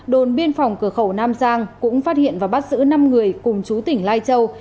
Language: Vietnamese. đồn biên phòng cửa khẩu nam giang cũng phát hiện và bắt giữ năm người cùng chú tỉnh lai châu